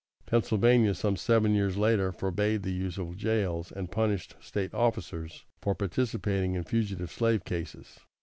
Pennsylvania, some seven years later, forbade the use of jails, and punished State officers for participating in fugitive slave cases.